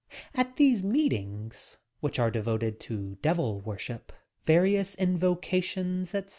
At these meet ings, which are devoted to Devil Worship, various in vocatioBS, etc.